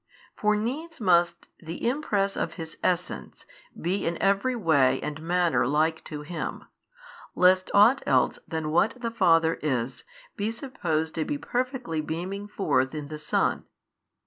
For needs must the Impress of His Essence be in every way and manner like to Him, lest ought else than what the Father is, be supposed to be perfectly beaming forth in the Son.